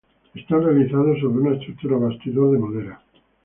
Están realizados sobre una estructura–bastidor de madera.